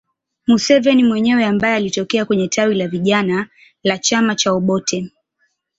Museveni mwenyewe ambaye alitokea kwenye tawi la vijana la chama cha Obote